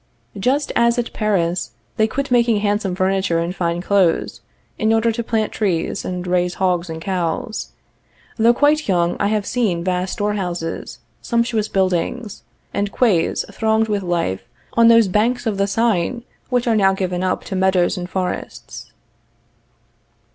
_ Just as at Paris, they quit making handsome furniture and fine clothes, in order to plant trees, and raise hogs and cows. Though quite young, I have seen vast storehouses, sumptuous buildings, and quays thronged with life on those banks of the Seine which are now given up to meadows and forests.